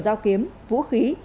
giao kiếm vũ khí